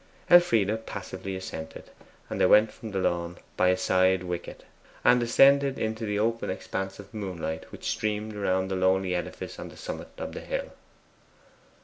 Elfride passively assented, and they went from the lawn by a side wicket, and ascended into the open expanse of moonlight which streamed around the lonely edifice on the summit of the hill.